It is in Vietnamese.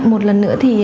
một lần nữa thì